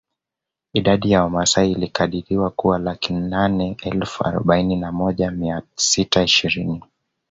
Idadi ya Wamasai ilikadiriwa kuwa laki nane elfu arobaini na moja mia sita ishirini